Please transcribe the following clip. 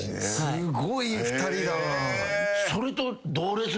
すごい２人だな。